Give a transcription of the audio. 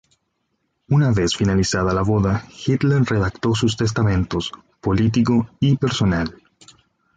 Una vez finalizada la boda, Hitler redactó sus testamentos: político y personal.